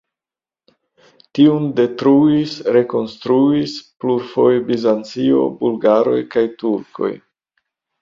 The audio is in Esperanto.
Tiun detruis, rekonstruis plurfoje Bizancio, bulgaroj kaj turkoj.